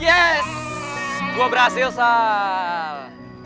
yes gue berhasil sal